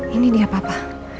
ini dia papa